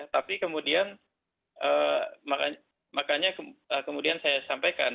tapi kemudian makanya kemudian saya sampaikan